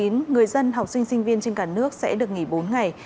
người dân học sinh sinh viên trên cả nước sẽ được nghỉ bốn ngày